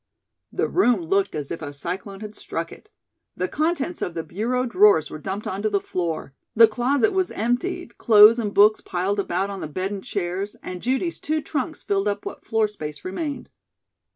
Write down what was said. The room looked as if a cyclone had struck it. The contents of the bureau drawers were dumped onto the floor; the closet was emptied, clothes and books piled about on the bed and chairs, and Judy's two trunks filled up what floor space remained.